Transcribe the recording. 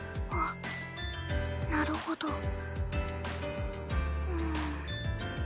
あっなるほど。